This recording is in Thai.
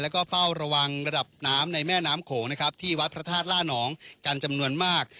แล้วก็เฝ้าระวังระดับน้ำในแม่น้ำโขงนะครับที่วัดพระธาตุล่านองกันจำนวนมาก